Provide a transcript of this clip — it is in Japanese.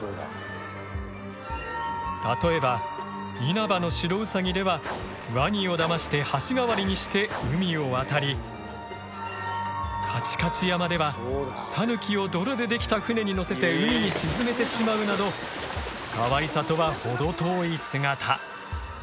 例えば「因幡の白兎」ではワニをだまして橋代わりにして海を渡り「かちかち山」ではタヌキを泥で出来た舟に乗せて海に沈めてしまうなどかわいさとは程遠い姿！